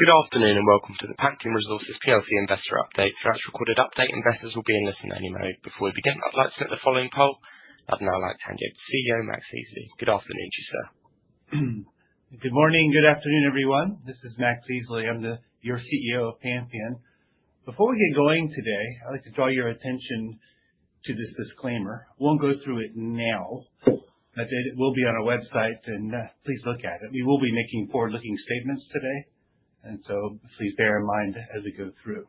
Good afternoon and welcome to the Pantheon Resources plc Investor Update. For our recorded update, investors will be in listen only mode. Before we begin, I'd like to set the following poll. I'd now like to hand you to the CEO, Max Easley. Good afternoon to you, sir. Good morning, good afternoon, everyone. This is Max Easley. I'm your CEO of Pantheon. Before we get going today, I'd like to draw your attention to this disclaimer. Won't go through it now, but it will be on our website and please look at it. We will be making forward-looking statements today, and so please bear in mind as we go through.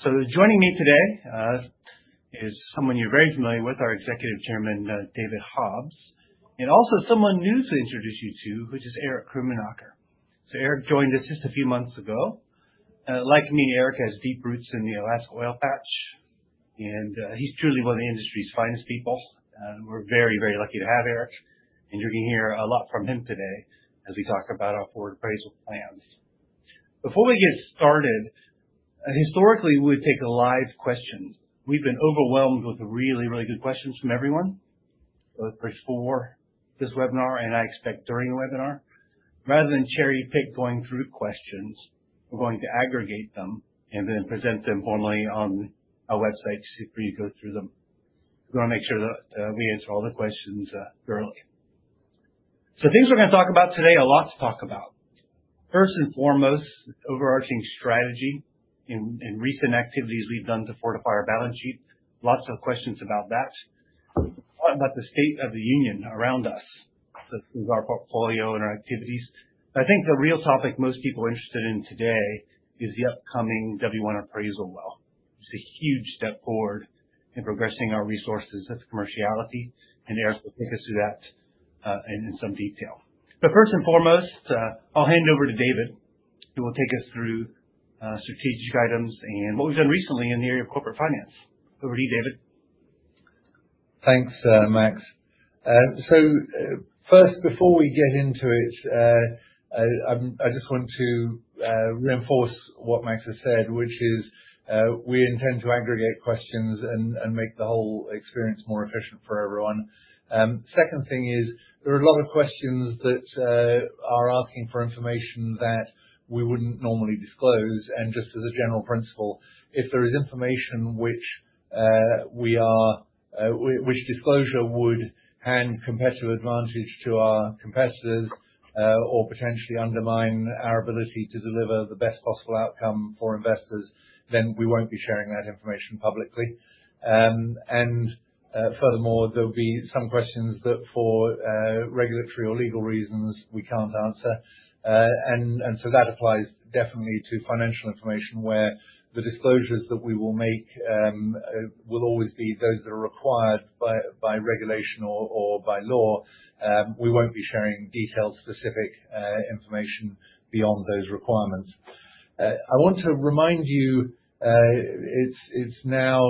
Joining me today is someone you're very familiar with, our Executive Chairman, David Hobbs. Also someone new to introduce you to, which is Erich Krumanocker. Erich joined us just a few months ago. Like me, Erich has deep roots in the Alaska oil patch, and he's truly one of the industry's finest people. We're very, very lucky to have Erich, and you're gonna hear a lot from him today as we talk about our forward appraisal plans. Before we get started, historically, we would take live questions. We've been overwhelmed with really, really good questions from everyone, both before this webinar and I expect during the webinar. Rather than cherry-pick going through questions, we're going to aggregate them and then present them formally on our website so you can go through them. We want to make sure that we answer all the questions thoroughly. Things we're gonna talk about today, a lot to talk about. First and foremost, overarching strategy in recent activities we've done to fortify our balance sheet. Lots of questions about that. Talk about the state of the union around us with our portfolio and our activities. I think the real topic most people are interested in today is the upcoming Dubhe-1 Appraisal Well. It's a huge step forward in progressing our resources to commerciality, and Erich will take us through that in some detail. First and foremost, I'll hand over to David, who will take us through strategic items and what we've done recently in the area of corporate finance. Over to you, David. Thanks, Max. First, before we get into it, I just want to reinforce what Max has said, which is, we intend to aggregate questions and make the whole experience more efficient for everyone. Second thing is there are a lot of questions that are asking for information that we wouldn't normally disclose. Just as a general principle, if there is information whose disclosure would hand competitive advantage to our competitors, or potentially undermine our ability to deliver the best possible outcome for investors, then we won't be sharing that information publicly. Furthermore, there will be some questions that for regulatory or legal reasons we can't answer. That applies definitely to financial information where the disclosures that we will make will always be those that are required by regulation or by law. We won't be sharing detailed specific information beyond those requirements. I want to remind you, it's now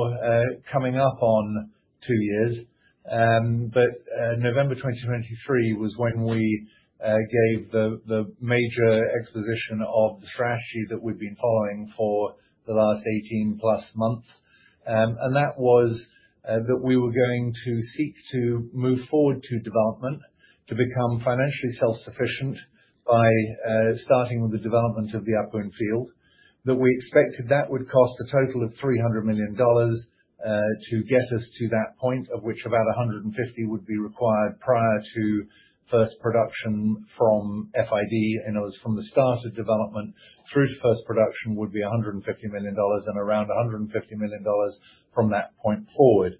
coming up on two years. November 2023 was when we gave the major exposition of the strategy that we've been following for the last 18+ months. That was that we were going to seek to move forward to development to become financially self-sufficient by starting with the development of the Ahpun field. That we expected that would cost a total of $300 million to get us to that point, of which about $150 million would be required prior to first production from FID. In other words, from the start of development through to first production would be $150 million and around $150 million from that point forward.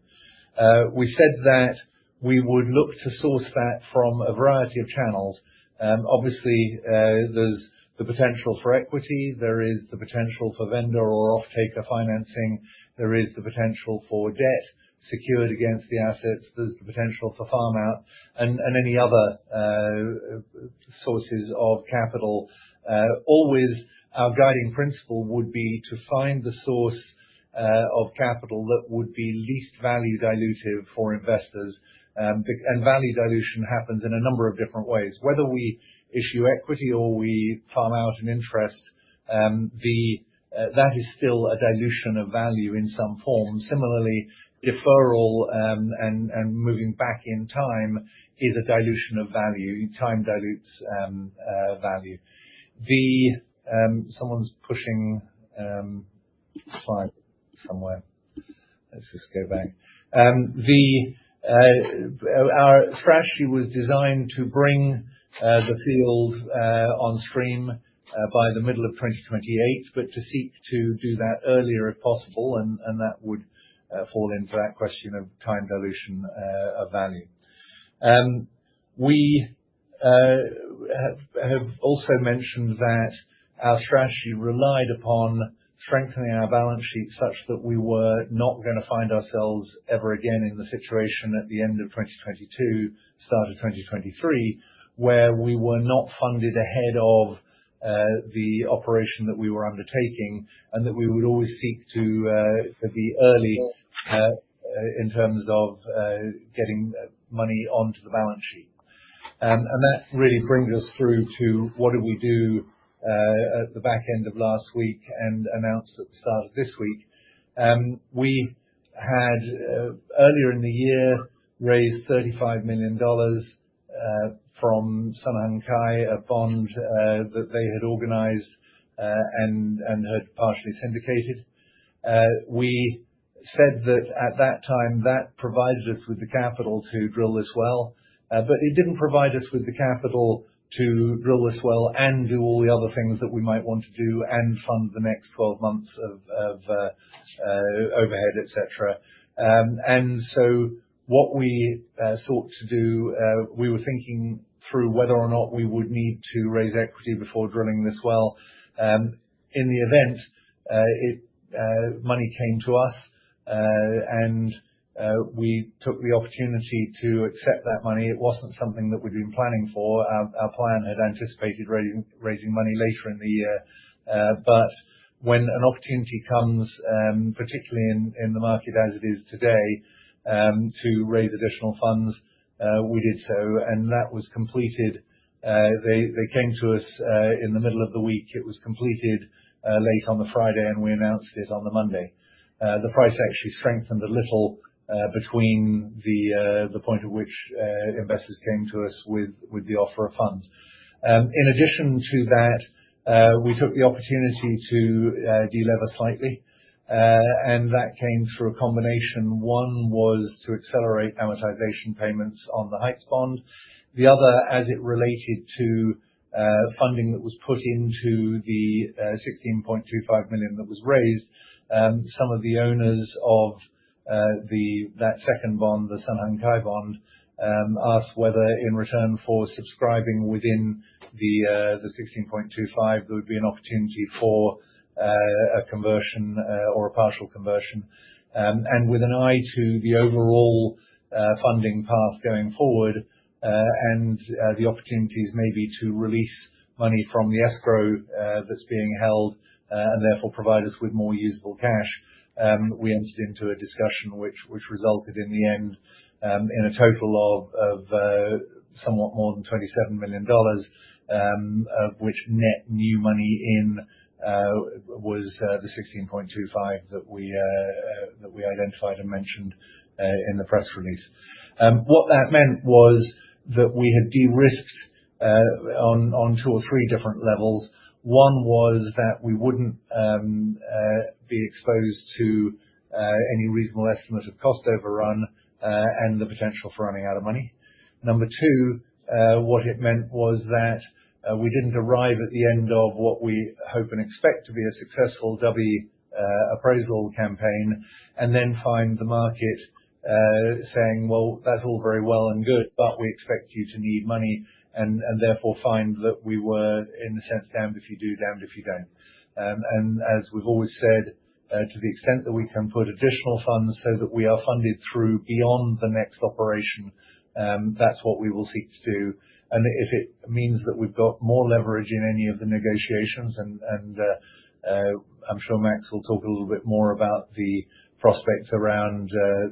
We said that we would look to source that from a variety of channels. Obviously, there's the potential for equity. There is the potential for vendor or offtaker financing. There is the potential for debt secured against the assets. There's the potential for farm out and any other sources of capital. Always our guiding principle would be to find the source of capital that would be least value dilutive for investors. Value dilution happens in a number of different ways. Whether we issue equity or we farm out an interest, that is still a dilution of value in some form. Similarly, deferral and moving back in time is a dilution of value. Time dilutes value. Someone's pushing a slide somewhere. Let's just go back. Our strategy was designed to bring the field on stream by the middle of 2028, but to seek to do that earlier if possible, and that would fall into that question of time dilution of value. We have also mentioned that our strategy relied upon strengthening our balance sheet such that we were not gonna find ourselves ever again in the situation at the end of 2022, start of 2023, where we were not funded ahead of the operation that we were undertaking, and that we would always seek to be early in terms of getting money onto the balance sheet. That really brings us through to what did we do at the back end of last week and announce at the start of this week. We had earlier in the year raised $35 million from SHK, a bond that they had organized and had partially syndicated. We said that at that time, that provided us with the capital to drill this well, but it didn't provide us with the capital to drill this well and do all the other things that we might want to do and fund the next 12 months of overhead, et cetera. What we sought to do, we were thinking through whether or not we would need to raise equity before drilling this well. In the event, money came to us, and we took the opportunity to accept that money. It wasn't something that we'd been planning for. Our plan had anticipated raising money later in the year. When an opportunity comes, particularly in the market as it is today, to raise additional funds, we did so, and that was completed. They came to us in the middle of the week. It was completed late on a Friday, and we announced it on the Monday. The price actually strengthened a little between the point at which investors came to us with the offer of funds. In addition to that, we took the opportunity to de-lever slightly, and that came through a combination. One was to accelerate amortization payments on the Heights bond. The other, as it related to funding that was put into the $16.25 million that was raised. Some of the owners of the... That second bond, the SHK bond, asked whether, in return for subscribing within the $16.25 million, there would be an opportunity for a conversion or a partial conversion. With an eye to the overall funding path going forward, and the opportunities maybe to release money from the escrow that's being held, and therefore provide us with more usable cash, we entered into a discussion which resulted in the end in a total of somewhat more than $27 million, of which net new money was the $16.25 million that we identified and mentioned in the press release. What that meant was that we had de-risked on two or three different levels. One was that we wouldn't be exposed to any reasonable estimate of cost overrun and the potential for running out of money. Number two, what it meant was that we didn't arrive at the end of what we hope and expect to be a successful well appraisal campaign, and then find the market saying, "Well, that's all very well and good, but we expect you to need money." Therefore find that we were, in a sense, damned if you do, damned if you don't. As we've always said, to the extent that we can put additional funds so that we are funded through beyond the next operation, that's what we will seek to do. If it means that we've got more leverage in any of the negotiations, I'm sure Max will talk a little bit more about the prospects around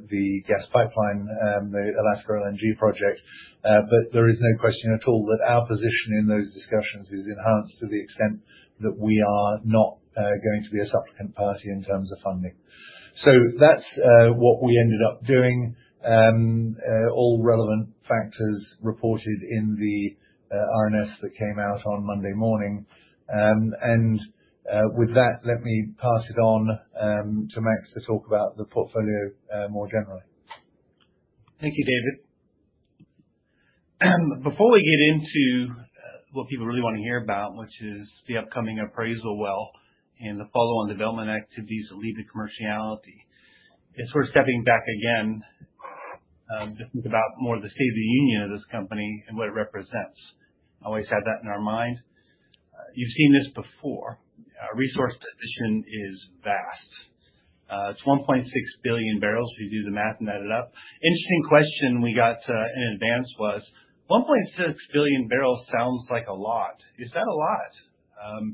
the gas pipeline, the Alaska LNG project. There is no question at all that our position in those discussions is enhanced to the extent that we are not going to be a supplicant party in terms of funding. That's what we ended up doing. All relevant factors reported in the RNS that came out on Monday morning. With that, let me pass it on to Max to talk about the portfolio more generally. Thank you, David. Before we get into what people really wanna hear about, which is the upcoming appraisal well, and the follow on development activities that lead to commerciality. It's worth stepping back again, just think about more of the state of the union of this company and what it represents. Always have that in our mind. You've seen this before. Our resource position is vast. It's 1.6 billion barrels if you do the math and add it up. Interesting question we got in advance was, 1.6 billion barrels sounds like a lot. Is that a lot?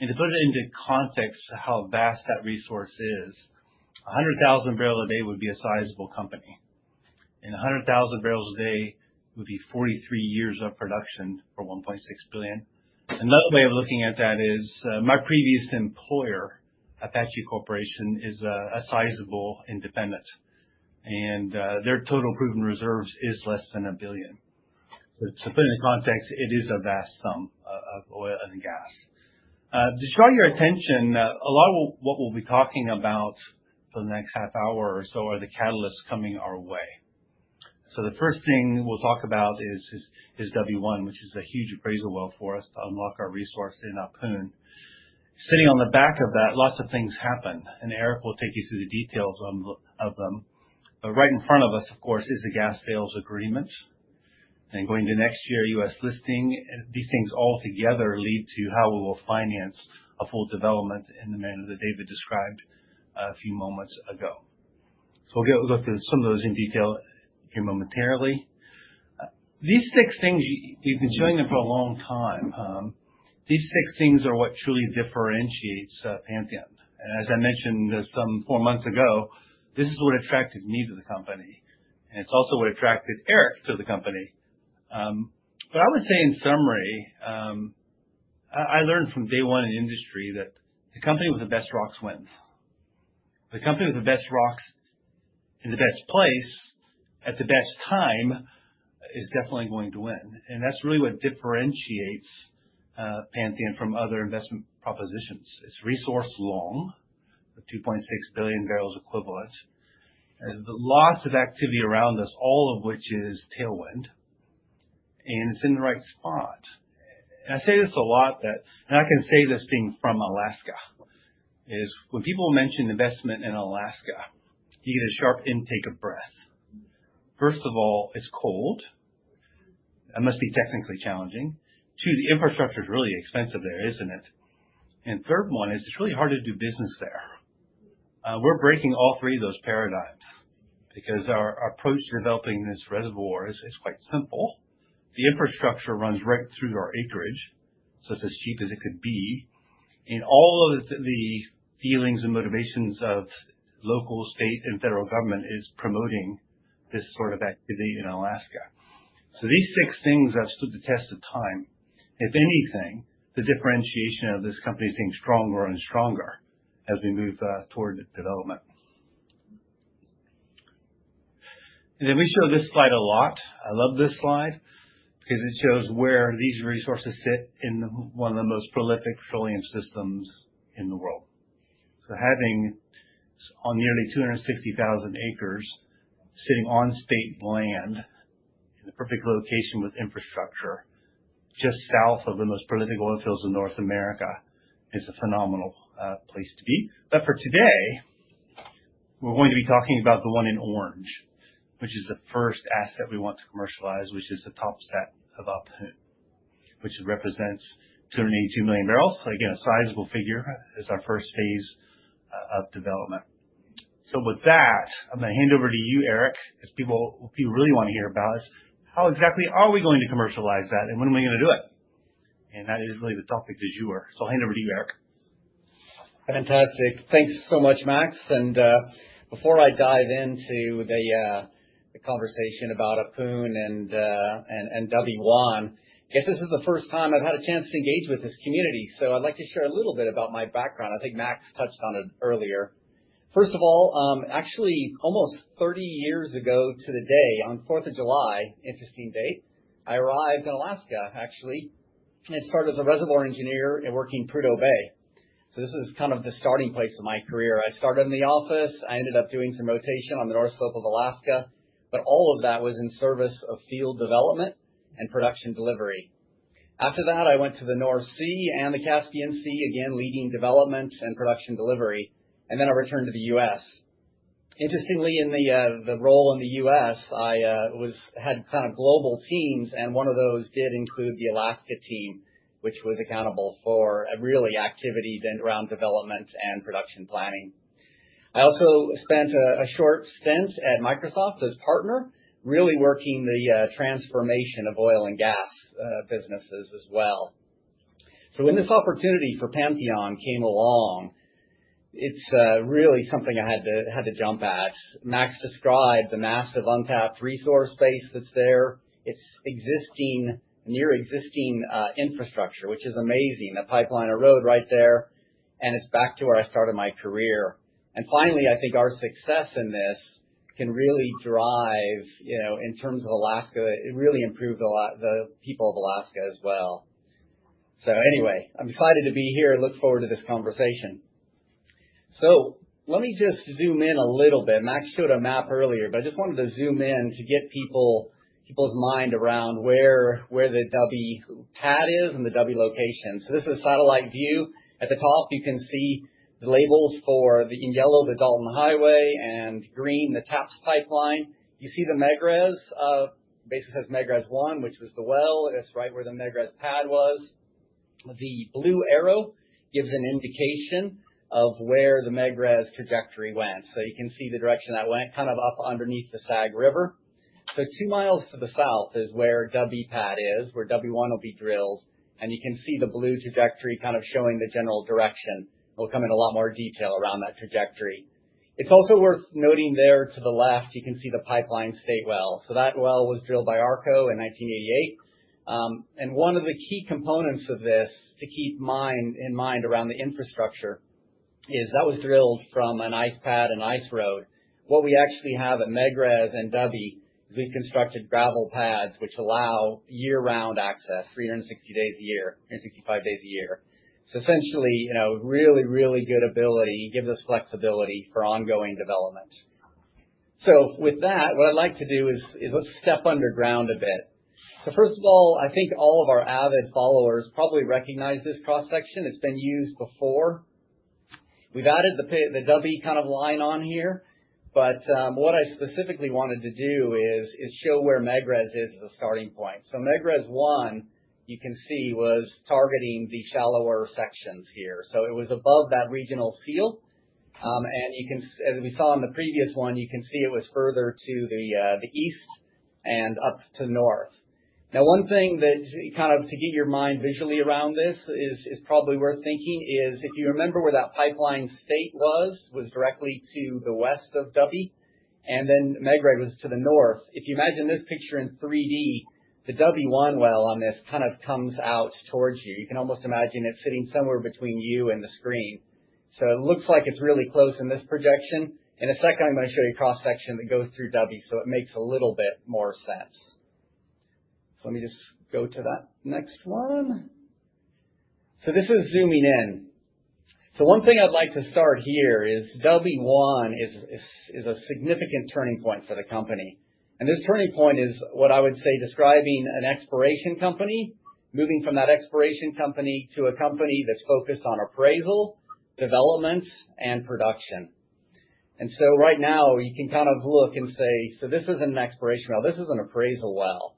And to put it into context how vast that resource is, 100,000 barrels a day would be a sizable company. 100,000 barrels a day would be 43 years of production for 1.6 billion. Another way of looking at that is, my previous employer, Apache Corporation, is a sizable independent, and their total proven reserves is less than a billion. To put it in context, it is a vast sum of oil and gas. To draw your attention, a lot of what we'll be talking about for the next half hour or so are the catalysts coming our way. The first thing we'll talk about is Theta West-1, which is a huge appraisal well for us to unlock our resource in Ahpun. Sitting on the back of that, lots of things happen, and Erich will take you through the details of them. Right in front of us, of course, is the gas sales agreement. Going to next year, U.S. listing. These things all together lead to how we will finance a full development in the manner that David described a few moments ago. We'll go look at some of those in detail here momentarily. These six things, you've been showing them for a long time. These six things are what truly differentiates Pantheon. As I mentioned some four months ago, this is what attracted me to the company, and it's also what attracted Erich to the company. I would say in summary, I learned from day one in industry that the company with the best rocks wins. The company with the best rocks in the best place at the best time is definitely going to win. That's really what differentiates Pantheon from other investment propositions. It's resource long with 2.6 billion barrels equivalent. There's lots of activity around us, all of which is tailwind, and it's in the right spot. I say this a lot that I can say this being from Alaska is when people mention investment in Alaska, you get a sharp intake of breath. First of all, it's cold. It must be technically challenging. Two, the infrastructure is really expensive there, isn't it? Third one is it's really hard to do business there. We're breaking all three of those paradigms because our approach to developing this reservoir is quite simple. The infrastructure runs right through our acreage, so it's as cheap as it could be. All of the feelings and motivations of local, state, and federal government is promoting this sort of activity in Alaska. These six things have stood the test of time. If anything, the differentiation of this company seems stronger and stronger as we move toward development. Then we show this slide a lot. I love this slide because it shows where these resources sit in one of the most prolific filling systems in the world. Having on nearly 260,000 acres sitting on state land in the perfect location with infrastructure, just south of the most prolific oil fields in North America is a phenomenal place to be. For today, we're going to be talking about the one in orange, which is the first asset we want to commercialize, which is the top stack of Ahpun, which represents 282 million barrels. Again, a sizable figure as our first phase of development. With that, I'm gonna hand over to you, Erich. As people... What people really want to hear about is how exactly are we going to commercialize that and when are we gonna do it? That is really the topic du jour. I'll hand over to you, Erich. Fantastic. Thank you so much, Max. Before I dive into the conversation about Ahpun and well one, I guess this is the first time I've had a chance to engage with this community, so I'd like to share a little bit about my background. I think Max touched on it earlier. First of all, actually, almost 30 years ago to the day, on Fourth of July, interesting date, I arrived in Alaska, actually, and started as a reservoir engineer and working Prudhoe Bay. This is kind of the starting place of my career. I started in the office. I ended up doing some rotation on the North Slope of Alaska, but all of that was in service of field development and production delivery. After that, I went to the North Sea and the Caspian Sea again, leading development and production delivery, and then I returned to the U.S. Interestingly, in the role in the U.S., I had kind of global teams, and one of those did include the Alaska team, which was accountable for really activities around development and production planning. I also spent a short stint at Microsoft as partner, really working the transformation of oil and gas businesses as well. When this opportunity for Pantheon came along, it's really something I had to jump at. Max described the massive untapped resource base that's there. It's near existing infrastructure, which is amazing. A pipeline, a road right there, and it's back to where I started my career. Finally, I think our success in this can really drive, you know, in terms of Alaska, it really improved the people of Alaska as well. Anyway, I'm excited to be here and look forward to this conversation. Let me just zoom in a little bit. Max showed a map earlier, but I just wanted to zoom in to get people's mind around where the W pad is and the W location. This is a satellite view. At the top you can see the labels for the in yellow, the Dalton Highway, and green, the TAPS pipeline. You see the Megrez, basically it says Megrez one, which was the well. That's right where the Megrez pad was. The blue arrow gives an indication of where the Megrez trajectory went. You can see the direction that went kind of up underneath the Sag River. Two miles to the south is where W-Pad is, where W-1 will be drilled, and you can see the blue trajectory kind of showing the general direction. We'll come in a lot more detail around that trajectory. It's also worth noting there to the left, you can see the Pipeline State-1 well. That well was drilled by ARCO in 1988. One of the key components of this to keep in mind around the infrastructure is that it was drilled from an ice pad, an ice road. What we actually have at Megrez and Dubhe is we've constructed gravel pads which allow year-round access, 360 days a year, 365 days a year. Essentially, you know, really, really good ability. Gives us flexibility for ongoing development. With that, what I'd like to do is let's step underground a bit. First of all, I think all of our avid followers probably recognize this cross-section. It's been used before. We've added the W-Pad of line on here, but what I specifically wanted to do is show where Megrez is as a starting point. Megrez-1, you can see was targeting the shallower sections here. It was above that regional seal. And you can, as we saw in the previous one, you can see it was further to the east and up to north. Now one thing that, kind of to get your mind visually around this is probably worth thinking is if you remember where that Pipeline State was directly to the west of Dubhe. Then Megrez was to the north. If you imagine this picture in 3-D, the Dubhe well on this kind of comes out towards you. You can almost imagine it sitting somewhere between you and the screen. It looks like it's really close in this projection. In a second, I'm gonna show you a cross-section that goes through Dubhe so it makes a little bit more sense. Let me just go to that next one. This is zooming in. One thing I'd like to start here is Dubhe-1 is a significant turning point for the company, and this turning point is what I would say describing an exploration company, moving from that exploration company to a company that's focused on appraisal, development, and production. Right now you can kind of look and say, "This isn't an exploration well, this is an appraisal well."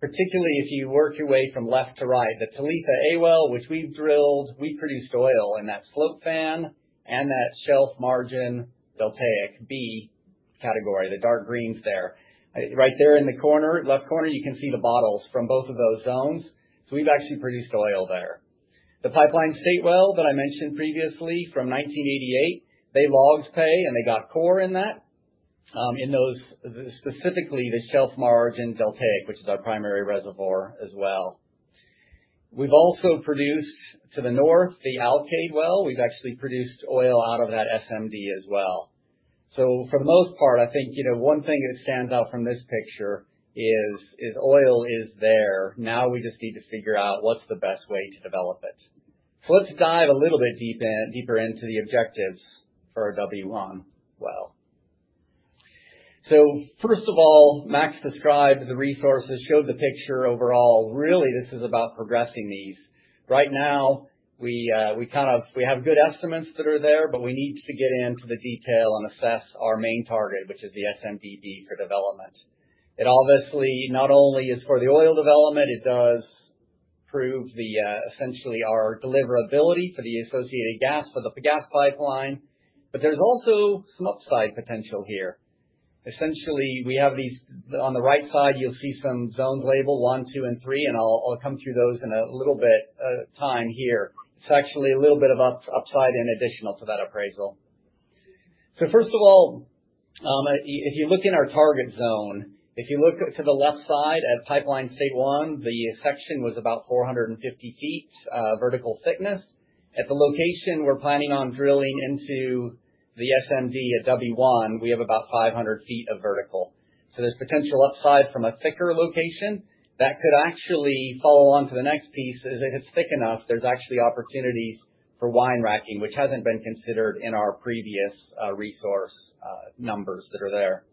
Particularly if you work your way from left to right, the Talitha-A well, which we've drilled, we produced oil in that slope fan, and that Shelf Margin Deltaic B category, the dark greens there. Right there in the corner, left corner, you can see the totals from both of those zones, so we've actually produced oil there. The Pipeline State-1 well that I mentioned previously from 1988, B logs pay, and they got core in that, specifically the Shelf Margin Deltaic, which is our primary reservoir as well. We've also produced to the north the Alkaid Well. We've actually produced oil out of that SMD as well. For the most part, I think, you know, one thing that stands out from this picture is oil is there. Now we just need to figure out what's the best way to develop it. Let's dive a little bit deeper into the objectives for our W-1 well. First of all, Max described the resources, showed the picture overall. Really, this is about progressing these. Right now, we kind of... We have good estimates that are there, but we need to get into the detail and assess our main target, which is the SMD D for development. It obviously not only is for the oil development, it does prove the essentially our deliverability for the associated gas, for the gas pipeline, but there's also some upside potential here. Essentially, we have these. On the right side, you'll see some zones labeled one, two, and three, and I'll come through those in a little bit time here. It's actually a little bit of upside in addition to that appraisal. First of all, if you look in our target zone, if you look to the left side at Pipeline State-1, the section was about 450 feet vertical thickness. At the location we're planning on drilling into the SMD at W1, we have about 500 feet of vertical. There's potential upside from a thicker location that could actually follow on to the next piece. If it's thick enough, there's actually opportunities for wine-racking, which hasn't been considered in our previous resource numbers that are there.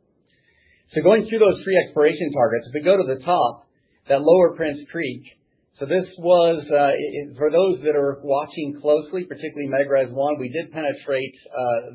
Going through those three exploration targets, if we go to the top, that Lower Prince Creek. This was for those that are watching closely, particularly Megrez-1, we did penetrate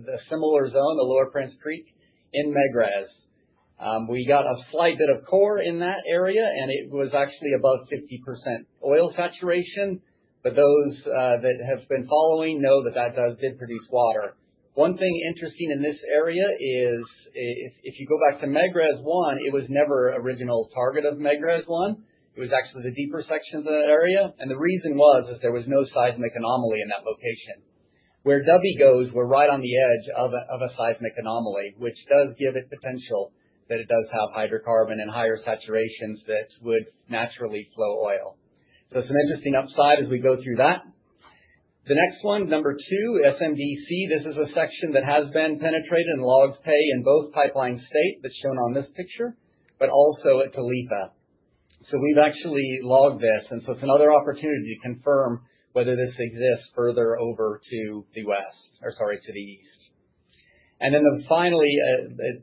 the similar zone, the Lower Prince Creek, in Megrez. We got a slight bit of core in that area, and it was actually above 50% oil saturation. But those that have been following know that that did produce water. One thing interesting in this area is if you go back to Megrez-1, it was never original target of Megrez-1. It was actually the deeper sections of that area. The reason was that there was no seismic anomaly in that location. Where Dubhe goes, we're right on the edge of a seismic anomaly, which does give it potential that it does have hydrocarbon and higher saturations that would naturally flow oil. Some interesting upside as we go through that. The next one, number two, SMD C. This is a section that has been penetrated and logs pay in both Pipeline State-1, that's shown on this picture, but also at Talitha-A. We've actually logged this, and it's another opportunity to confirm whether this exists further over to the west or, sorry, to the east. Finally,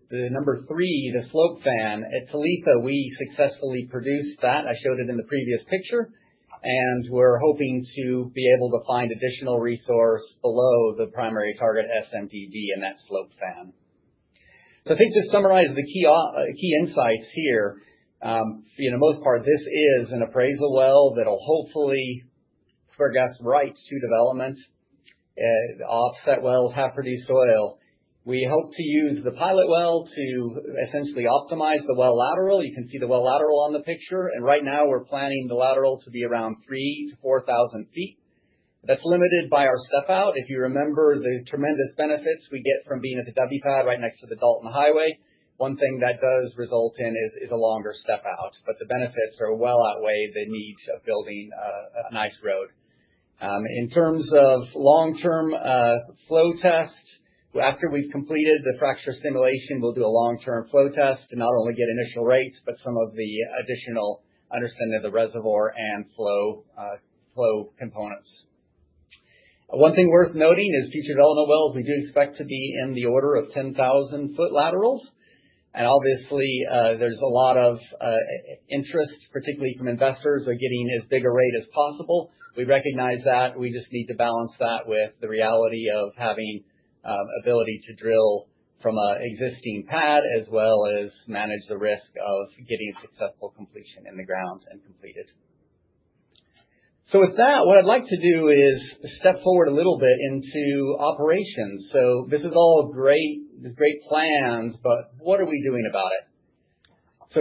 the number three, the slope fan. At Talitha-A, we successfully produced that. I showed it in the previous picture, and we're hoping to be able to find additional resource below the primary target, SMD D, in that slope fan. I think to summarize the key insights here, for the most part, this is an appraisal well that'll hopefully get some rights to development. The offset wells have produced oil. We hope to use the pilot well to essentially optimize the well lateral. You can see the well lateral on the picture, and right now we're planning the lateral to be around 3,000-4,000 feet. That's limited by our step out. If you remember the tremendous benefits we get from being at the Dubhe pad right next to the Dalton Highway, one thing that does result in is a longer step out, but the benefits well outweigh the need of building a nice road. In terms of long-term flow test, after we've completed the fracture stimulation, we'll do a long-term flow test to not only get initial rates, but some of the additional understanding of the reservoir and flow components. One thing worth noting is future development wells, we do expect to be in the order of 10,000-foot laterals. Obviously, there's a lot of interest, particularly from investors, in getting as big a rate as possible. We recognize that. We just need to balance that with the reality of having ability to drill from an existing pad as well as manage the risk of getting a successful completion in the ground and completed. With that, what I'd like to do is step forward a little bit into operations. This is all great, the great plans, but what are we doing about it?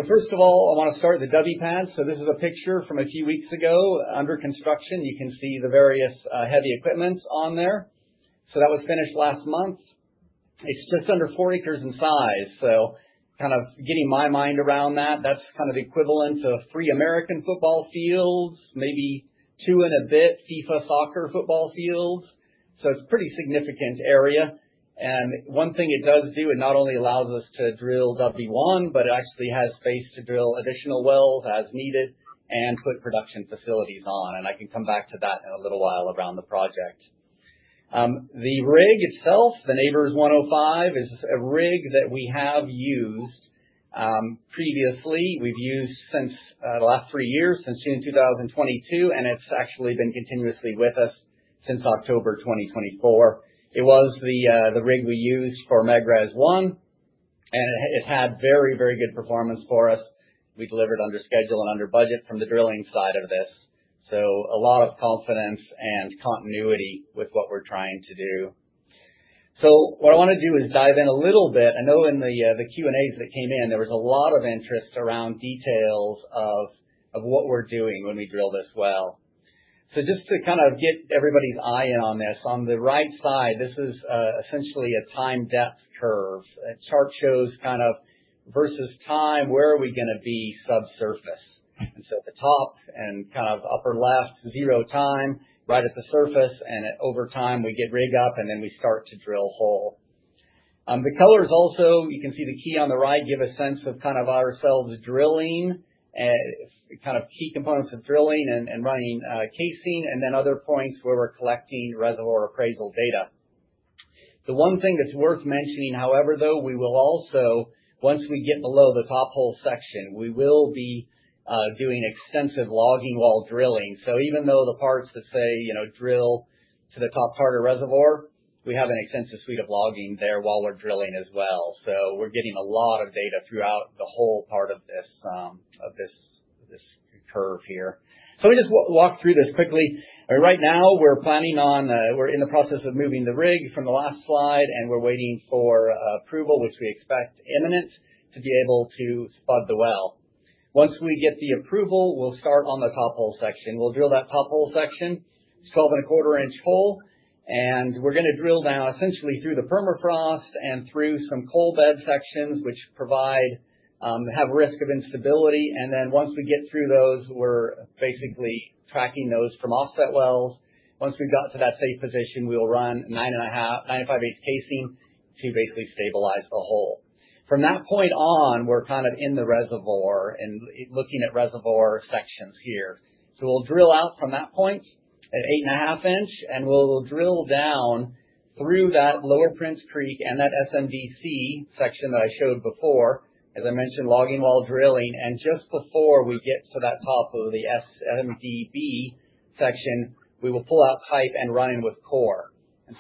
First of all, I wanna start at the Dubhe pad. This is a picture from a few weeks ago under construction. You can see the various heavy equipment on there. That was finished last month. It's just under four acres in size, so kind of getting my mind around that's kind of equivalent to three American football fields, maybe two and a bit FIFA soccer football fields. It's pretty significant area. One thing it does do, it not only allows us to drill Dubhe-1, but it actually has space to drill additional wells as needed and put production facilities on, and I can come back to that in a little while around the project. The rig itself, the Nabors 105AC, is a rig that we have used previously. We've used it since the last three years, since June 2022, and it's actually been continuously with us since October 2024. It was the rig we used for Megrez-1, and it had very good performance for us. We delivered under schedule and under budget from the drilling side of this, so a lot of confidence and continuity with what we're trying to do. What I wanna do is dive in a little bit. I know in the Q&As that came in, there was a lot of interest around details of what we're doing when we drill this well. Just to kind of get everybody's eye in on this, on the right side, this is essentially a time depth curve. The chart shows kind of versus time, where are we gonna be subsurface. At the top and kind of upper left, zero time, right at the surface, and over time, we get rig up, and then we start to drill hole. The colors also, you can see the key on the right, give a sense of kind of ourselves drilling and kind of key components of drilling and running casing, and then other points where we're collecting reservoir appraisal data. The one thing that's worth mentioning, however, though, we will also, once we get below the top hole section, we will be doing extensive logging while drilling. So even though the parts that say, you know, drill to the top part of reservoir, we have an extensive suite of logging there while we're drilling as well. So we're getting a lot of data throughout the whole part of this curve here. So let me just walk through this quickly. Right now we're planning on, we're in the process of moving the rig from the last slide, and we're waiting for approval, which we expect imminent, to be able to spud the well. Once we get the approval, we'll start on the top hole section. We'll drill that top hole section 12¼-inch hole, and we're gonna drill down essentially through the permafrost and through some coal bed sections, which have risk of instability. Once we get through those, we're basically tracking those from offset wells. Once we've got to that safe position, we'll run 9⅝ casing to basically stabilize the hole. From that point on, we're kind of in the reservoir and looking at reservoir sections here. We'll drill out from that point at 8½ inch, and we'll drill down through that Lower Prince Creek and that SMD C section that I showed before, as I mentioned, logging while drilling. Just before we get to that top of the SMD B section, we will pull out pipe and run in with core.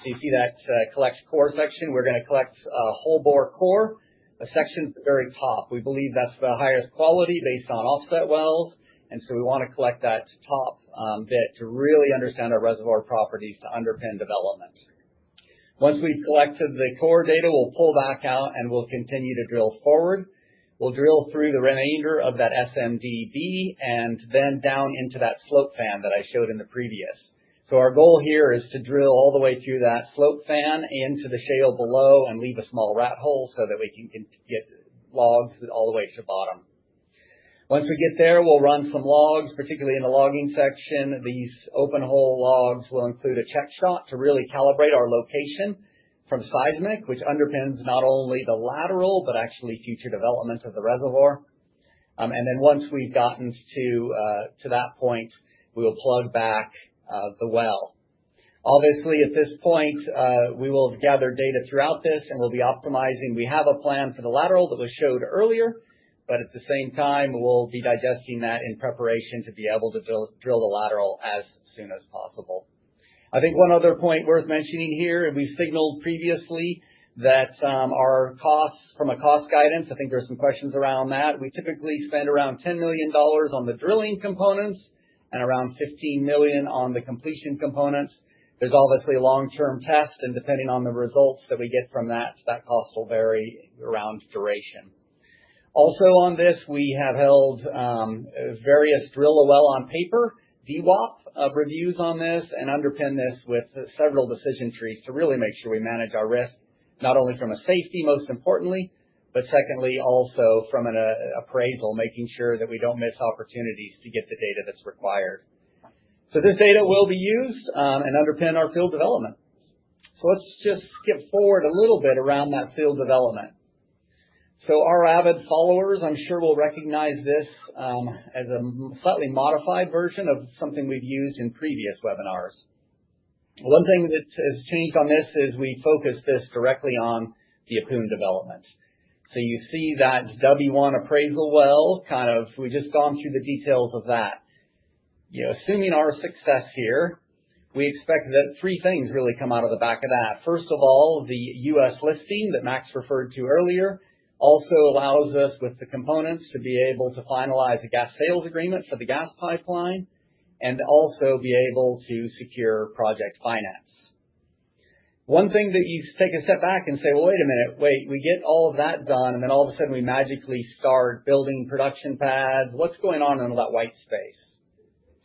You see that collect core section. We're gonna collect whole bore core, a section at the very top. We believe that's the highest quality based on offset wells. We wanna collect that top bit to really understand our reservoir properties to underpin development. Once we've collected the core data, we'll pull back out and we'll continue to drill forward. We'll drill through the remainder of that SMD B and then down into that slope fan that I showed in the previous. Our goal here is to drill all the way through that slope fan into the shale below and leave a small rat hole so that we can get logs all the way to the bottom. Once we get there, we'll run some logs, particularly in the logging section. These open hole logs will include a check shot to really calibrate our location from seismic, which underpins not only the lateral, but actually future developments of the reservoir. Once we've gotten to that point, we will plug back the well. Obviously, at this point, we will gather data throughout this and we'll be optimizing. We have a plan for the lateral that was showed earlier, but at the same time, we'll be digesting that in preparation to be able to drill the lateral as soon as possible. I think one other point worth mentioning here. We signaled previously that our cost guidance. I think there's some questions around that. We typically spend around $10 million on the drilling components and around $15 million on the completion components. There's obviously long-term tests, and depending on the results that we get from that cost will vary around duration. Also on this, we have held various drill a well on paper DWOP reviews on this and underpin this with several decision trees to really make sure we manage our risk, not only from a safety, most importantly, but secondly, also from an appraisal, making sure that we don't miss opportunities to get the data that's required. This data will be used and underpin our field development. Let's just skip forward a little bit around that field development. Our avid followers, I'm sure will recognize this as a slightly modified version of something we've used in previous webinars. One thing that has changed on this is we focus this directly on the Ahpun development. You see that Dubhe-1 appraisal well kind of, we've just gone through the details of that. You know, assuming our success here, we expect that three things really come out of the back of that. First of all, the U.S. listing that Max referred to earlier also allows us with the components to be able to finalize the gas sales agreement for the gas pipeline and also be able to secure project finance. One thing that you take a step back and say, "Well, wait a minute, we get all of that done, and then all of a sudden we magically start building production pads. What's going on in all that white space?"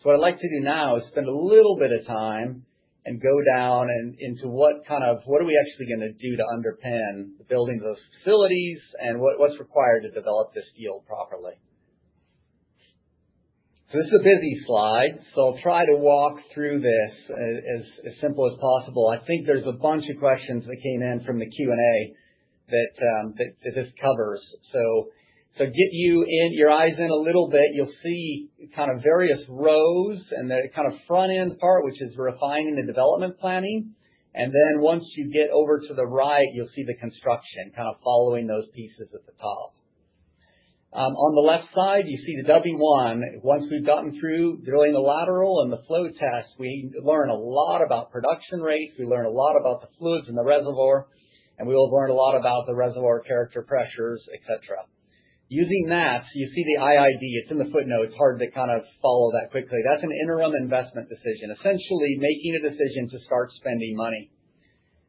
What I'd like to do now is spend a little bit of time and go down and into what are we actually gonna do to underpin the building of those facilities and what's required to develop this field properly. This is a busy slide, so I'll try to walk through this as simple as possible. I think there's a bunch of questions that came in from the Q&A that this covers. Get your eyes in a little bit, you'll see kind of various rows and the kind of front-end part, which is refining the development planning. Then once you get over to the right, you'll see the construction kind of following those pieces at the top. On the left side, you see the Dubhe-1. Once we've gotten through drilling the lateral and the flow test, we learn a lot about production rates, we learn a lot about the fluids in the reservoir, and we'll learn a lot about the reservoir character pressures, et cetera. Using that, you see the IID. It's in the footnote. It's hard to kind of follow that quickly. That's an interim investment decision. Essentially, making a decision to start spending money.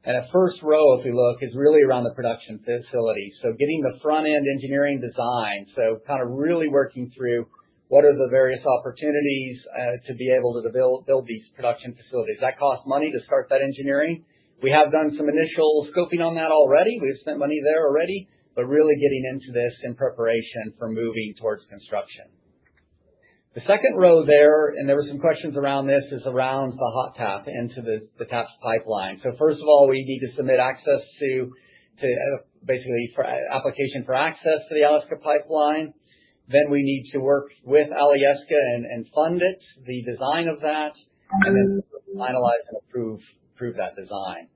The first row, if you look, is really around the production facility, so getting the front-end engineering design. Kind of really working through what are the various opportunities to be able to build these production facilities. That costs money to start that engineering. We have done some initial scoping on that already. We've spent money there already, but really getting into this in preparation for moving towards construction. The second row there, and there were some questions around this, is around the hot tap into the TAPS pipeline. First of all, we need to submit access to basically for application for access to the Alaska pipeline. Then we need to work with Alyeska and fund it, the design of that, and then finalize and approve that design.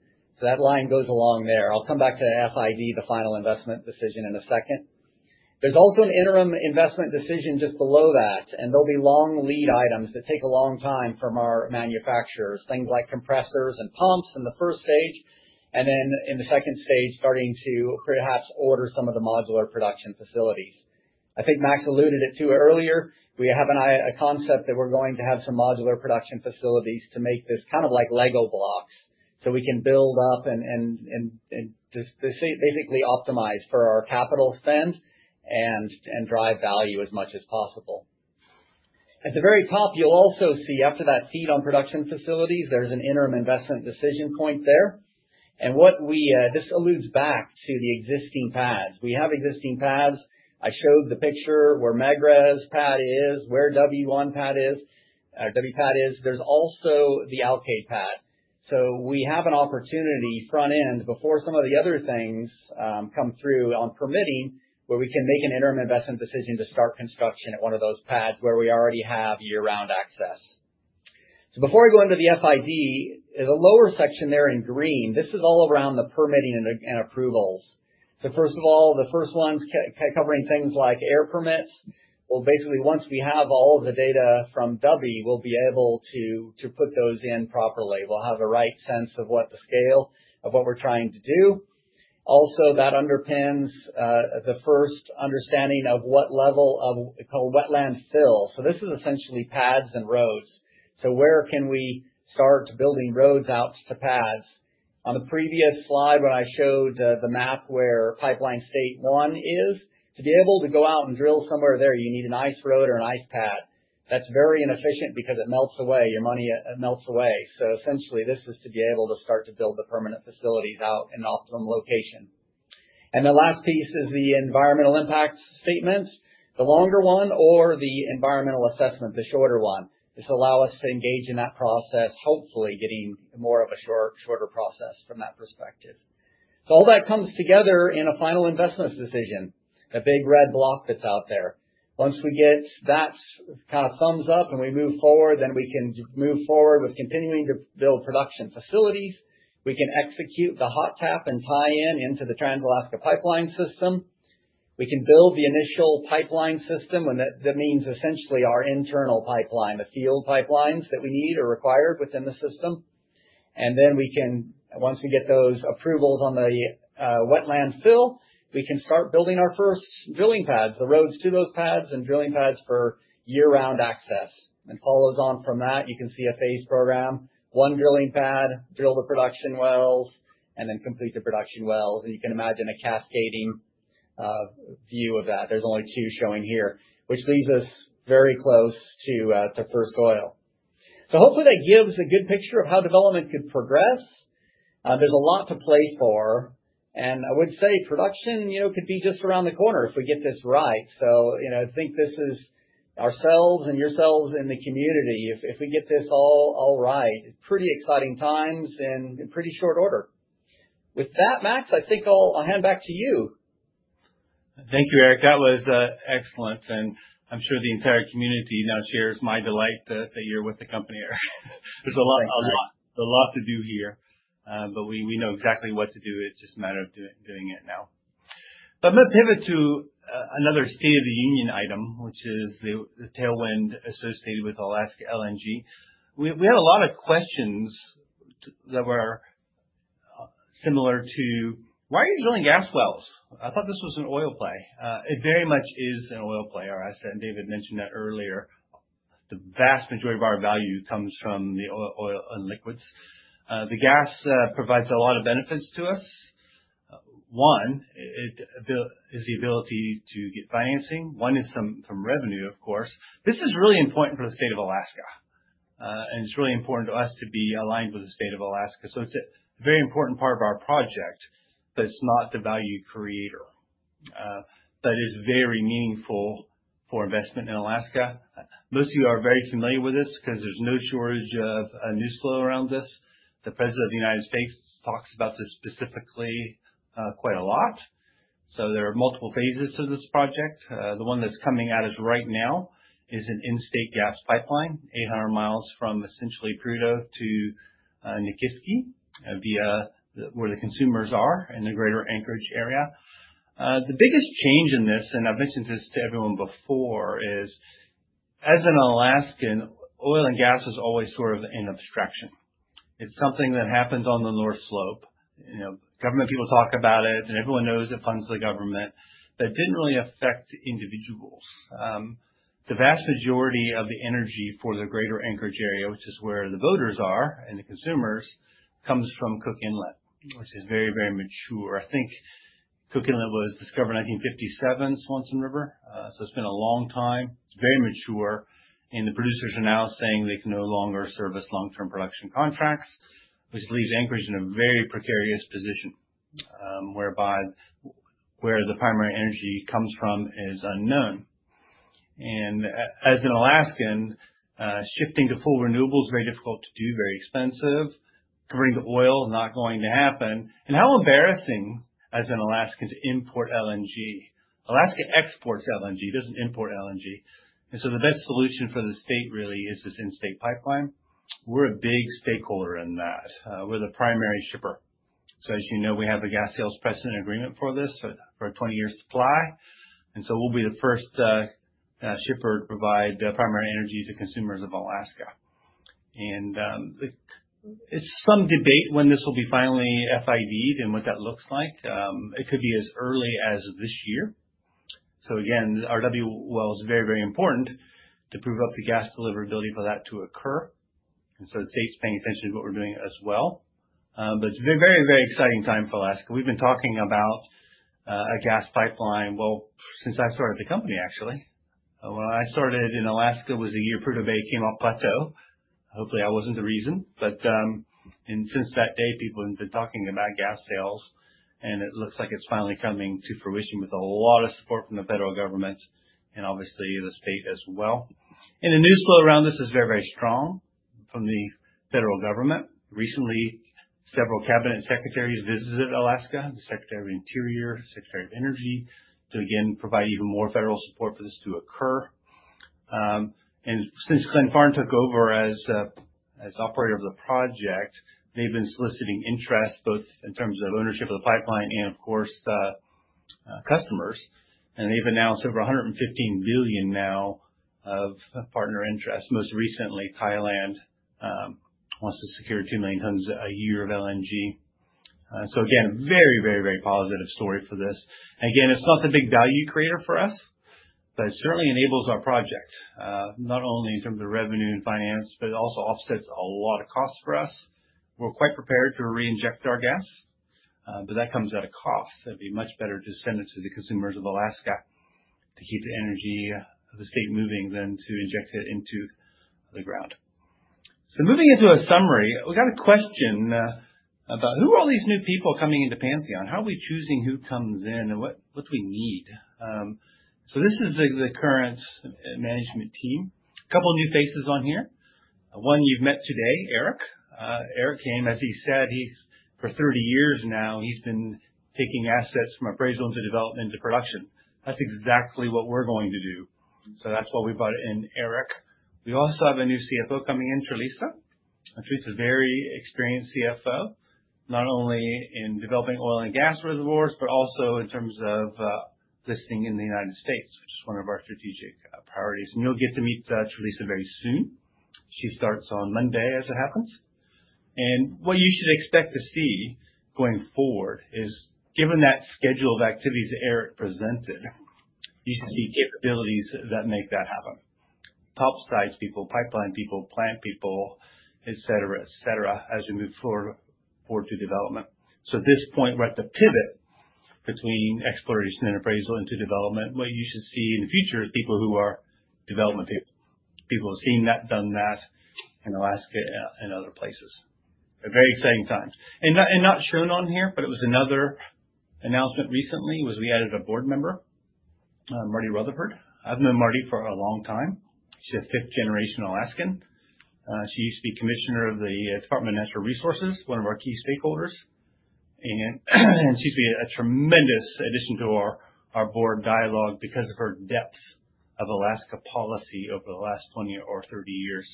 That line goes along there. I'll come back to FID, the final investment decision, in a second. There's also an interim investment decision just below that, and there'll be long lead items that take a long time from our manufacturers, things like compressors and pumps in the first stage, and then in the second stage, starting to perhaps order some of the modular production facilities. I think Max alluded it to earlier. We have an I... A concept that we're going to have some modular production facilities to make this kind of like Lego blocks, so we can build up and just basically optimize for our capital spend and drive value as much as possible. At the very top, you'll also see after that FEED on production facilities, there's an interim investment decision point there. This alludes back to the existing pads. We have existing pads. I showed the picture where Megrez pad is, where Theta West-1 pad is, Theta West pad is. There's also the Alkaid 2 pad. We have an opportunity front end before some of the other things come through on permitting, where we can make an interim investment decision to start construction at one of those pads where we already have year-round access. Before I go into the FID, there's a lower section there in green. This is all around the permitting and approvals. First of all, the first one's covering things like air permits. Well, basically, once we have all of the data from Dubhe, we'll be able to put those in properly. We'll have the right sense of what the scale of what we're trying to do. Also, that underpins the first understanding of what level of, called wetland fill. This is essentially pads and roads. Where can we start building roads out to pads? On the previous slide, when I showed the map where Pipeline State-1 is, to be able to go out and drill somewhere there, you need an ice road or an ice pad. That's very inefficient because it melts away. Your money melts away. Essentially, this is to be able to start to build the permanent facilities out in the optimum location. The last piece is the Environmental Impact Statement, the longer one, or the environmental assessment, the shorter one. This allows us to engage in that process, hopefully getting more of a shorter process from that perspective. All that comes together in a final investment decision, the big red block that's out there. Once we get that kind of thumbs up and we move forward, we can move forward with continuing to build production facilities. We can execute the hot tap and tie-in into the Trans-Alaska Pipeline System. We can build the initial pipeline system, and that means essentially our internal pipeline, the field pipelines that we need or require within the system. Once we get those approvals on the wetland fill, we can start building our first drilling pads, the roads to those pads and drilling pads for year-round access. Follows on from that, you can see a phase program, one drilling pad, drill the production wells, and then complete the production wells. You can imagine a cascading view of that. There's only two showing here. Which leads us very close to first oil. Hopefully that gives a good picture of how development could progress. There's a lot to play for, and I would say production, you know, could be just around the corner if we get this right. You know, I think this is ourselves and yourselves in the community, if we get this all right, it's pretty exciting times and in pretty short order. With that, Max, I think I'll hand back to you. Thank you, Erich. That was excellent, and I'm sure the entire community now shares my delight that you're with the company, Erich. There's a lot to do here. We know exactly what to do. It's just a matter of doing it now. Let's pivot to another state of the union item, which is the tailwind associated with Alaska LNG. We had a lot of questions that were similar to, "Why are you drilling gas wells? I thought this was an oil play." It very much is an oil play, Erich, and David mentioned that earlier. The vast majority of our value comes from the oil and liquids. The gas provides a lot of benefits to us. One is the ability to get financing. One is some revenue, of course. This is really important for the state of Alaska, and it's really important to us to be aligned with the state of Alaska. It's a very important part of our project, but it's not the value creator. It is very meaningful for investment in Alaska. Most of you are very familiar with this 'cause there's no shortage of news flow around this. The President of the United States talks about this specifically quite a lot. There are multiple phases to this project. The one that's coming at us right now is an in-state gas pipeline, 800 miles from essentially Prudhoe to Nikiski where the consumers are in the greater Anchorage area. The biggest change in this, and I've mentioned this to everyone before, is as an Alaskan, oil and gas is always sort of an abstraction. It's something that happens on the North Slope. You know, government people talk about it, and everyone knows it funds the government, but it didn't really affect individuals. The vast majority of the energy for the greater Anchorage area, which is where the voters are and the consumers, comes from Cook Inlet, which is very, very mature. I think Cook Inlet was discovered in 1957, Swanson River. It's been a long time. It's very mature, and the producers are now saying they can no longer service long-term production contracts, which leaves Anchorage in a very precarious position, whereby where the primary energy comes from is unknown. As an Alaskan, shifting to full renewable is very difficult to do, very expensive. Turning to oil, not going to happen. How embarrassing as an Alaskan to import LNG. Alaska exports LNG, doesn't import LNG. The best solution for the state really is this in-state pipeline. We're a big stakeholder in that. We're the primary shipper. As you know, we have a Gas Sales Precedent Agreement for this for a 20-year supply, and we'll be the first shipper to provide primary energy to consumers of Alaska. It's some debate when this will be finally FID-ed and what that looks like. It could be as early as this year. Again, RW well is very, very important to prove up the gas deliverability for that to occur, and the state's paying attention to what we're doing as well. It's a very, very exciting time for Alaska. We've been talking about a gas pipeline, well, since I started the company, actually. When I started in Alaska was the year Prudhoe Bay came off plateau. Hopefully, I wasn't the reason. Since that day, people have been talking about gas sales, and it looks like it's finally coming to fruition with a lot of support from the federal government and obviously the state as well. The news flow around this is very, very strong from the federal government. Recently, several cabinet secretaries visited Alaska, the Secretary of the Interior, Secretary of Energy, to again provide even more federal support for this to occur. Since Glenfarne took over as operator of the project, they've been soliciting interest, both in terms of ownership of the pipeline and of course, customers. They've announced over $115 billion now of partner interest. Most recently, Thailand wants to secure 2 million tons a year of LNG. Again, very positive story for this. It's not the big value creator for us, but it certainly enables our project, not only in terms of revenue and finance, but it also offsets a lot of costs for us. We're quite prepared to reinject our gas, but that comes at a cost. It'd be much better to send it to the consumers of Alaska to keep the energy of the state moving than to inject it into the ground. Moving into a summary, we got a question about who are all these new people coming into Pantheon? How are we choosing who comes in and what do we need? This is the current management team. A couple new faces on here. one you've met today is Erich. Erich came, as he said, he's been for 30 years now taking assets from appraisal into development into production. That's exactly what we're going to do. That's why we brought in Erich. We also have a new CFO coming in, Teresa. Teresa's a very experienced CFO, not only in developing oil and gas reservoirs, but also in terms of listing in the United States, which is one of our strategic priorities. You'll get to meet Teresa very soon. She starts on Monday, as it happens. What you should expect to see going forward is, given that schedule of activities that Erich presented, you should see capabilities that make that happen. Top sides people, pipeline people, plant people, et cetera, as we move forward to development. At this point, we're at the pivot between exploration and appraisal into development. What you should see in the future is people who are development people. People who have seen that, done that in Alaska and other places. A very exciting time. Not shown on here, but it was another announcement recently, was we added a board member, Marty Rutherford. I've known Marty for a long time. She's a fifth generation Alaskan. She used to be commissioner of the Department of Natural Resources, one of our key stakeholders. She's been a tremendous addition to our board dialogue because of her depth of Alaska policy over the last 20 or 30 years.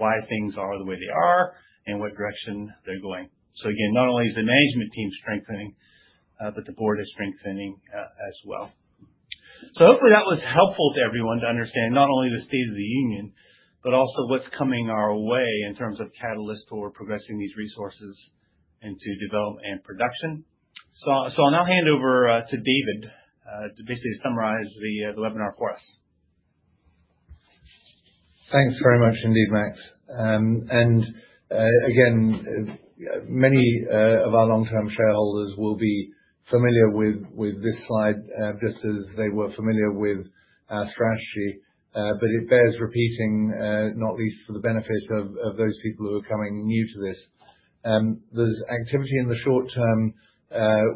Why things are the way they are and what direction they're going. Again, not only is the management team strengthening, but the board is strengthening as well. Hopefully that was helpful to everyone to understand not only the state of the union, but also what's coming our way in terms of catalysts for progressing these resources into development and production. I'll now hand over to David to basically summarize the webinar for us. Thanks very much indeed, Max. Again, many of our long-term shareholders will be familiar with this slide, just as they were familiar with our strategy, but it bears repeating, not least for the benefit of those people who are coming new to this. There's activity in the short term,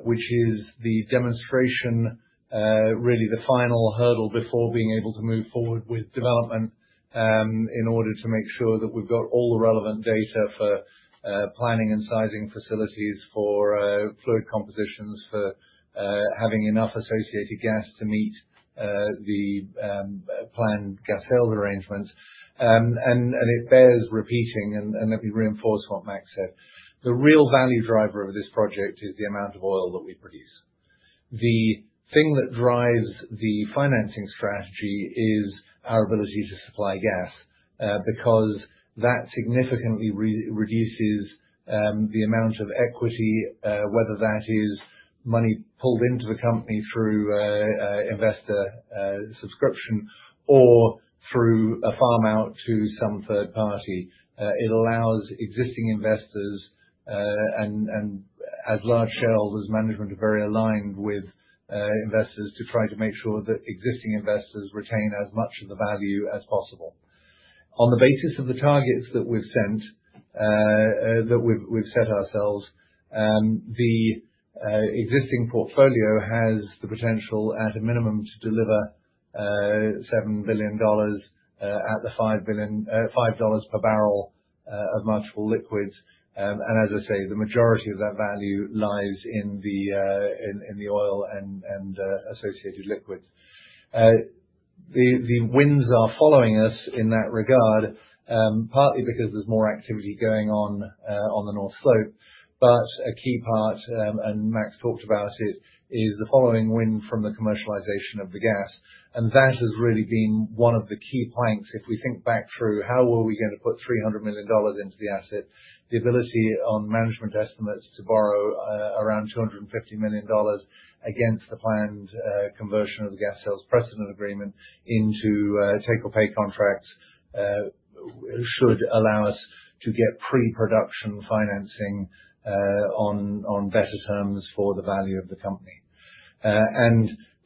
which is the demonstration, really the final hurdle before being able to move forward with development, in order to make sure that we've got all the relevant data for planning and sizing facilities for fluid compositions, for having enough associated gas to meet the planned gas sale arrangements. It bears repeating. Let me reinforce what Max said. The real value driver of this project is the amount of oil that we produce. The thing that drives the financing strategy is our ability to supply gas, because that significantly reduces the amount of equity, whether that is money pulled into the company through investor subscription or through a farm out to some third party. It allows existing investors and as large shareholders, management are very aligned with investors to try to make sure that existing investors retain as much of the value as possible. On the basis of the targets that we've set ourselves, the existing portfolio has the potential, at a minimum, to deliver $7 billion at the $5 per barrel of multiple liquids. As I say, the majority of that value lies in the in the oil and associated liquids. The tailwinds are following us in that regard, partly because there's more activity going on on the North Slope. A key part, and Max talked about it, is the tailwind from the commercialization of the gas. That has really been one of the key planks. If we think back through how we were gonna put $300 million into the asset. The ability on management estimates to borrow around $250 million against the planned conversion of the Gas Sales Precedent Agreement into a take-or-pay contract should allow us to get pre-production financing on better terms for the value of the company.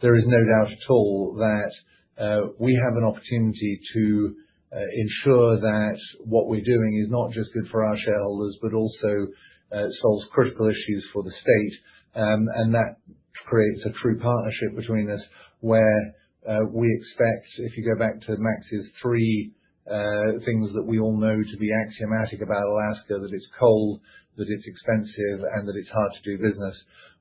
There is no doubt at all that we have an opportunity to ensure that what we're doing is not just good for our shareholders, but also solves critical issues for the state. That creates a true partnership between us, where we expect, if you go back to Max's three things that we all know to be axiomatic about Alaska, that it's cold, that it's expensive, and that it's hard to do business.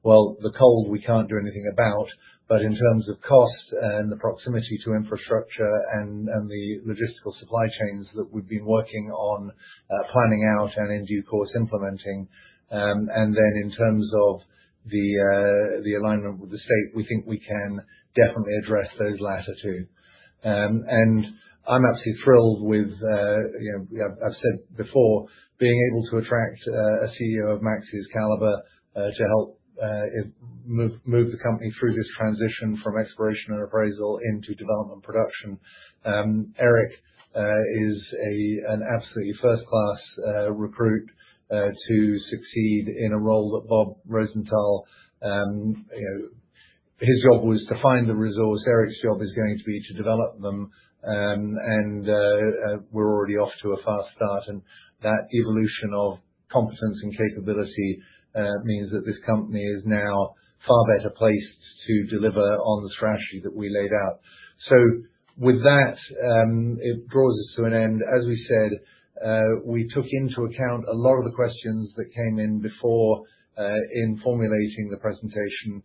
Well, the cold we can't do anything about. In terms of cost and the proximity to infrastructure and the logistical supply chains that we've been working on, planning out and in due course implementing, and then in terms of the alignment with the state, we think we can definitely address those latter two. I'm absolutely thrilled with, you know, I've said before, being able to attract a CEO of Max's caliber to help it move the company through this transition from exploration and appraisal into development production. Erich is an absolutely first-class recruit to succeed in a role that Bob Rosenthal, you know, his job was to find the resource. Erich's job is going to be to develop them. We're already off to a fast start. That evolution of competence and capability means that this company is now far better placed to deliver on the strategy that we laid out. With that, it draws us to an end. As we said, we took into account a lot of the questions that came in before in formulating the presentation.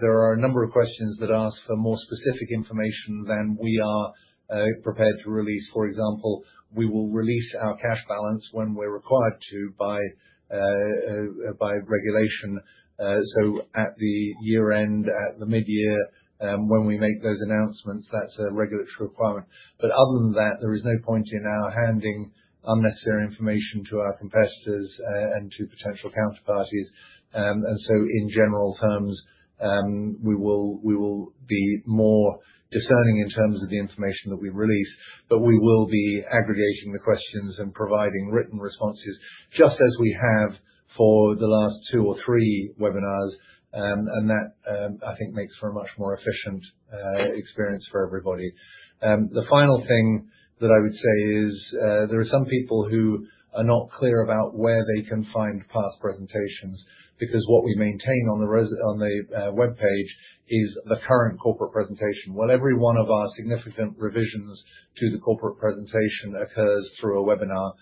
There are a number of questions that ask for more specific information than we are prepared to release. For example, we will release our cash balance when we're required to by regulation. At the year-end, at the mid-year, when we make those announcements, that's a regulatory requirement. Other than that, there is no point in our handing unnecessary information to our competitors and to potential counterparties. In general terms, we will be more discerning in terms of the information that we release, but we will be aggregating the questions and providing written responses just as we have for the last two or three webinars. That, I think, makes for a much more efficient experience for everybody. The final thing that I would say is, there are some people who are not clear about where they can find past presentations, because what we maintain on the webpage is the current corporate presentation. While every one of our significant revisions to the corporate presentation occurs through a webinar,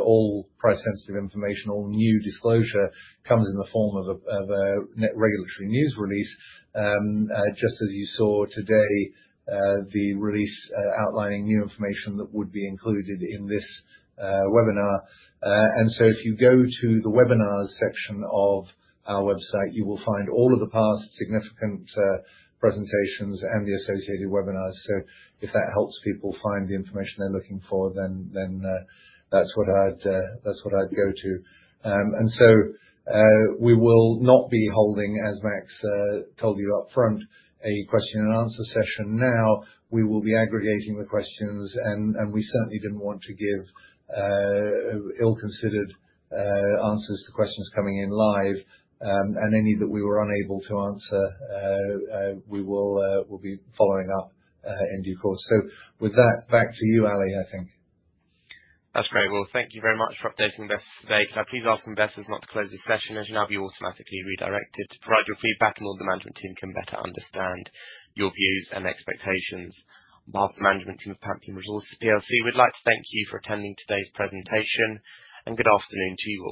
all price sensitive information, all new disclosure comes in the form of an RNS, just as you saw today, the release outlining new information that would be included in this webinar. If you go to the webinars section of our website, you will find all of the past significant presentations and the associated webinars. If that helps people find the information they're looking for, then that's what I'd go to. We will not be holding, as Max told you upfront, a question and answer session now. We will be aggregating the questions and we certainly didn't want to give ill-considered answers to questions coming in live. Any that we were unable to answer we will be following up in due course. With that, back to you, Ali, I think. That's great. Well, thank you very much for updating investors today. Can I please ask investors not to close this session? As you know, you're automatically redirected to provide your feedback so that the management team can better understand your views and expectations. On behalf of the management team at Pantheon Resources plc, we'd like to thank you for attending today's presentation, and good afternoon to you all.